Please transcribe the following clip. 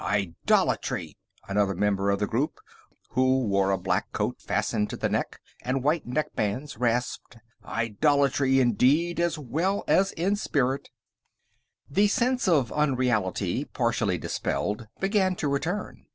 "Idolatry!" another member of the group, who wore a black coat fastened to the neck, and white neck bands, rasped. "Idolatry in deed, as well as in spirit!" The sense of unreality, partially dispelled, began to return.